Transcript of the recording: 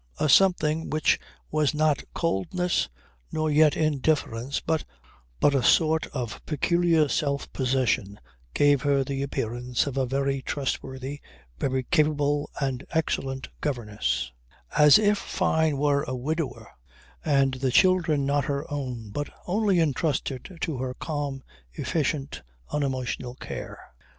A something which was not coldness, nor yet indifference, but a sort of peculiar self possession gave her the appearance of a very trustworthy, very capable and excellent governess; as if Fyne were a widower and the children not her own but only entrusted to her calm, efficient, unemotional care.